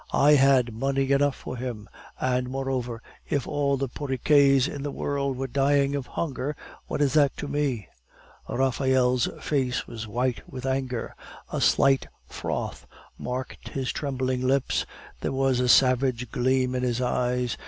I had money enough for him. And, moreover, if all the Porriquets in the world were dying of hunger, what is that to me?" Raphael's face was white with anger; a slight froth marked his trembling lips; there was a savage gleam in his eyes.